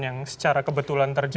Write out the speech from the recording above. yang secara kebetulan terjadi